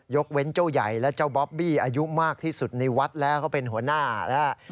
เว้นเจ้าใหญ่และเจ้าบ๊อบบี้อายุมากที่สุดในวัดแล้วเขาเป็นหัวหน้าแล้ว